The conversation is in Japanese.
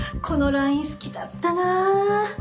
このライン好きだったな。